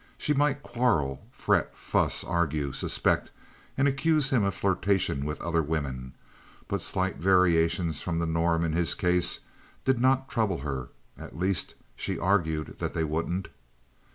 She might quarrel, fret, fuss, argue, suspect, and accuse him of flirtation with other women; but slight variations from the norm in his case did not trouble her—at least she argued that they wouldn't.